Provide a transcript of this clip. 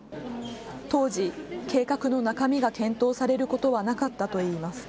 当時、計画の中身が検討されることはなかったといいます。